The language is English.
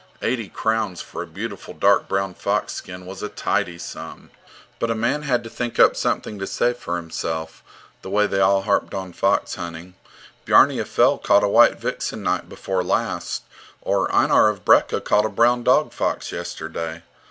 Eighty crowns for a beautiful, dark brown fox skin was a tidy sum! But a man had to think up something to say for himself, the way they all harped on fox hunting: Bjarni of Fell caught a white vixen night before last, or Einar of Brekka caught a brown dog fox yesterday.